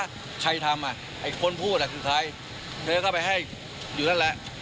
ใครทำอ่ะไอ้คนพูดคือใครเธอก็ไปให้อยู่นั่นแหละ